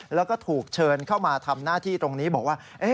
แล้วก็ถูกเชิญเข้ามาทำหน้าที่ตรงนี้บอกว่า